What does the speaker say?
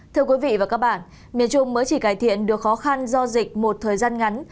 thưa quý vị và các bạn miền trung mới chỉ cải thiện được khó khăn do dịch một thời gian ngắn